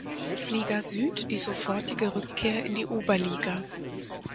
Liga Süd die sofortige Rückkehr in die Oberliga.